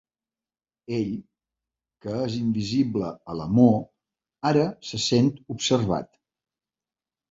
Ell, que és invisible a l'amor, ara se sent observat.